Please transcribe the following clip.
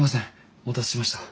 お待たせしました。